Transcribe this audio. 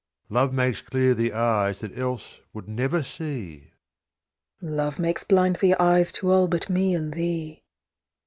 Love makes clear the eyes that else would never see: "Love makes blind the eyes to all but me and thee."